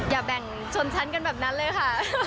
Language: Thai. อย่าแบ่งชนชั้นกันแบบนั้นเลยค่ะ